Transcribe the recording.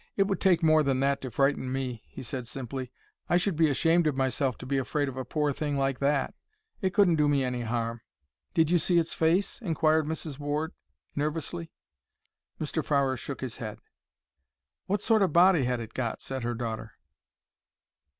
"It would take more than that to frighten me," he said, simply. "I should be ashamed of myself to be afraid of a poor thing like that. It couldn't do me any harm." "Did you see its face?" inquired Mrs. Ward, nervously. Mr. Farrer shook his head. "What sort of a body had it got?" said her daughter.